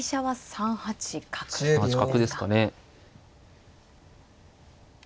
３八角ですかね。